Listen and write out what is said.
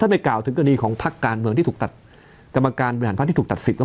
ถ้าไม่กล่าวถึงกรณีของภารการกรรมการบิหารภรรคติดสิทธิ์